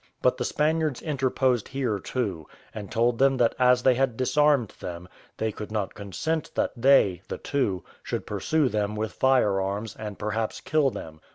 But the Spaniards interposed here too, and told them that as they had disarmed them, they could not consent that they (the two) should pursue them with firearms, and perhaps kill them.